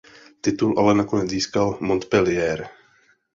Titul ale nakonec získal Montpellier.